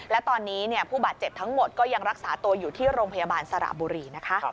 และตอนนี้ผู้บาดเจ็บทั้งหมดก็ยังรักษาตัวอยู่ที่โรงพยาบาลสระบุรีนะคะ